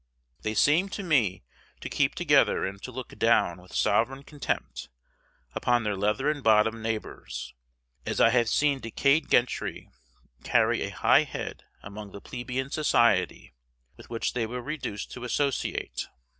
They seem to me to keep together and to look down with sovereign contempt upon their leathern bottomed neighbors, as I have seen decayed gentry carry a high head among the plebeian society with which they were reduced to associate.